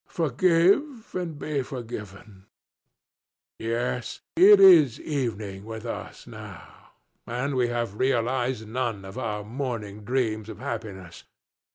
Forgive and be forgiven. Yes; it is evening with us now, and we have realized none of our morning dreams of happiness.